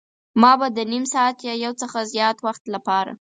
ما به د نیم ساعت یا یو څه زیات وخت لپاره.